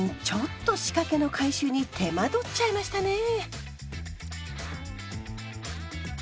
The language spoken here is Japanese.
ちょっと仕掛けの回収に手間取っちゃいましたね。